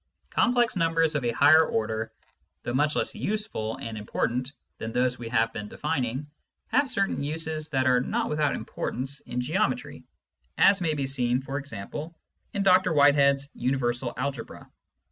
Complex numbers of a higher order, though much less useful and important than those what we have been defining, have certain uses that are not without importance in geometry, as may be seen, for example, in Dr Whitehead's Universal Algebra.